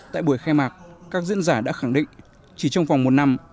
tại buổi khai mạc các diễn giả đã khẳng định chỉ trong vòng một năm